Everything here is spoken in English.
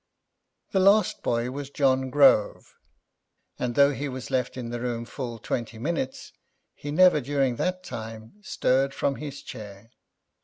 The last boy was John Grove, and though he was left in the room full twenty minutes, he never during that time stirred from his chair.